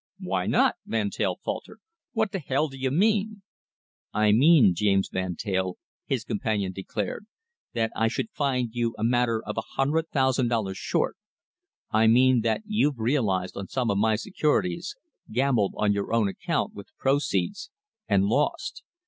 "Why not?" Van Teyl faltered. "What the hell do you mean?" "I mean, James Van Teyl," his companion declared, "that I should find you a matter of a hundred thousand dollars short. I mean that you've realised on some of my securities, gambled on your own account with the proceeds, and lost.